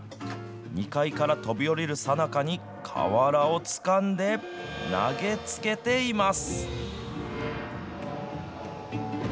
２階から飛び降りるさなかに、瓦をつかんで、投げつけています。